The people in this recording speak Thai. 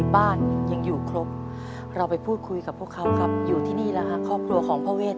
บ้านพ่ออยู่จังหวัดอะไรนะครับ